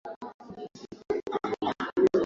aa na wasikilizaji kote mnakotusikiliza mambo